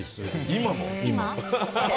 今も。